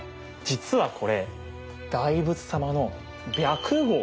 実はこれ大仏様の白毫。